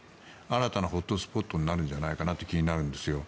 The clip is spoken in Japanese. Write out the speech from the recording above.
新たなホットスポットになるんじゃないかという気がするんです。